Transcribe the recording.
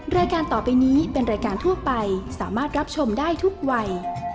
รายการต่อไปนี้เป็นรายการทั่วไปสามารถรับชมได้ทุกวัย